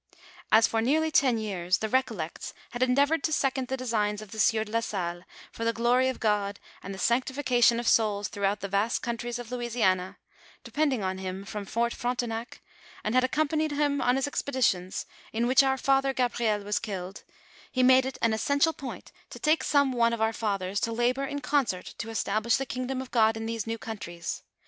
As for nearly ten years the Recollects had endeavored to second the designs of the sieur de la Salle for the gloiy of God and the sanctification of souls throughout the vast coun tries of Louisiana, depending on him from Fort Frontenac, and had accompanied him on his expeditions, in which our Father Gabriel was killed, he made it an essential point to take some one of our fathers to labor in concert to establish the kingdom of God in these new countries.